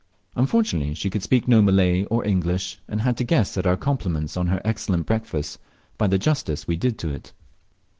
Unfortunately she could speak no Malay or English, and had to guess at our compliments on her excellent breakfast by the justice we did to it.